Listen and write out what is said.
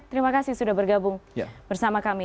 terima kasih sudah bergabung bersama kami